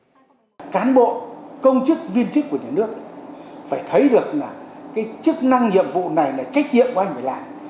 các cán bộ công chức viên chức của nhà nước phải thấy được là cái chức năng nhiệm vụ này là trách nhiệm của anh phải làm